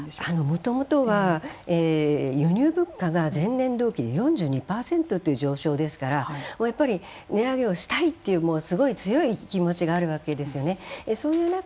もともとは輸入物価が前年度比で４２％という上昇ですから値上げをしたいという強い気持ちがあるわけです。